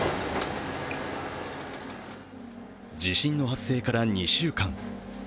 地震の発生から２週間。